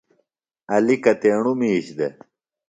علی کتیݨوۡ مِیش دےۡ؟